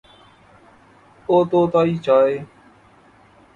ও তো তাই চায়।